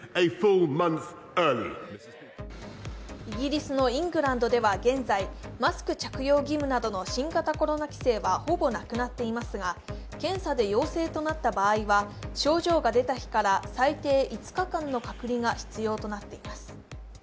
イギリスのイングランドでは現在、マスク着用義務などの新型コロナ規制はほぼなくなっていますが、検査で陽性となった場合は症状が出た日から最低５日間の隔離が必要となっています。